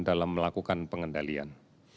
dalam melakukan pengendalian